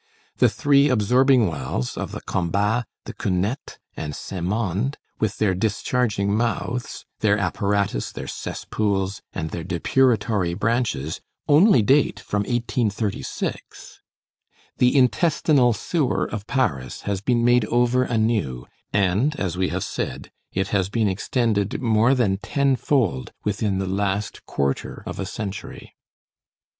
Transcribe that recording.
The three absorbing wells, of the Combat, the Cunette, and Saint Mandé, with their discharging mouths, their apparatus, their cesspools, and their depuratory branches, only date from 1836. The intestinal sewer of Paris has been made over anew, and, as we have said, it has been extended more than tenfold within the last quarter of a century.